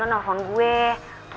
ada masalah apa lo sama pak bos